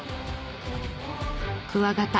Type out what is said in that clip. クワガタ！